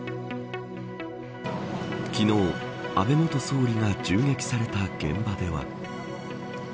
昨日、安倍元総理が銃撃された現場では。